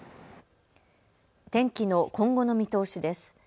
天気の今後の見通しです。